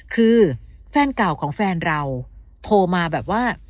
คือแฟนเก่าของแฟนเราโทรมาแบบว่า